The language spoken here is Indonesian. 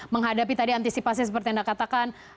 menghadapi tadi antisipasi seperti anda katakan